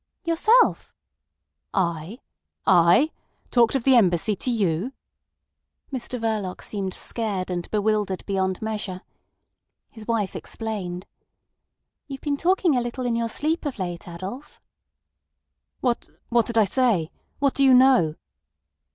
"Yourself." "I! I! Talked of the Embassy to you!" Mr Verloc seemed scared and bewildered beyond measure. His wife explained: "You've been talking a little in your sleep of late, Adolf." "What—what did I say? What do you know?"